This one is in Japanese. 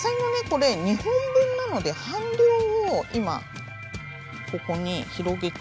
これ２本分なので半量を今ここに広げていきます。